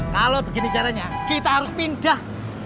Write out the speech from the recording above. kalau begini caranya kita harus pindah